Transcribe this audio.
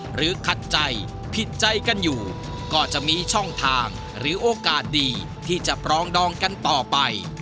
ขัดใจผิดใจกันอยู่ก็จะมีช่องทางหรือโอกาสดีที่จะปรองดองกันต่อไป